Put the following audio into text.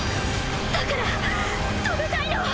だから止めたいの。